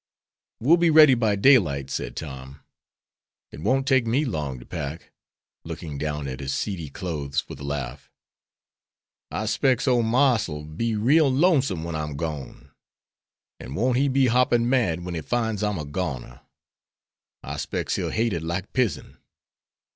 "We'll be ready by daylight," said Tom. "It won't take me long to pack up," looking down at his seedy clothes, with a laugh. "I specs ole Marse'll be real lonesome when I'm gone. An' won't he be hoppin' mad when he finds I'm a goner? I specs he'll hate it like pizen."